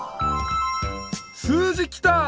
数字きた！